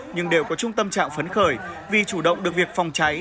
nhưng đều có trung tâm trạng phấn khởi vì chủ động được việc phòng cháy